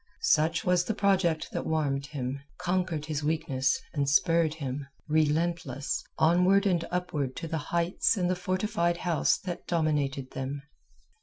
Such was the project that warmed him, conquered his weakness and spurred him, relentless, onward and upward to the heights and the fortified house that dominated them.